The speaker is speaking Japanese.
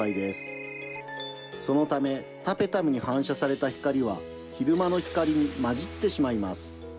そのためタペタムに反射された光は昼間の光に混じってしまいます。